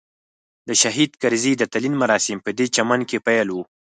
د شهید کرزي د تلین مراسم پدې چمن کې پیل وو.